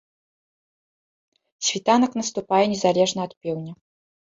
Світанак наступае незалежна ад пеўня.